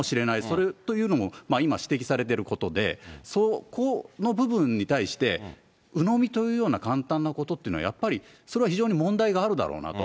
それというのも今指摘されてることで、そこの部分に対して、うのみというような簡単なことっていうのは、やっぱり、それは非常に問題があるだろうなと。